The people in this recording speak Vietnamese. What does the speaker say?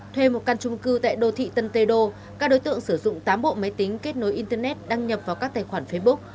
thuê một căn trung cư tại đô thị tân tê đô các đối tượng sử dụng tám bộ máy tính kết nối internet đăng nhập vào các tài khoản facebook